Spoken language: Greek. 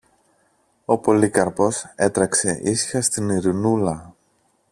Ο Πολύκαρπος έτρεξε ίσια στην Ειρηνούλα.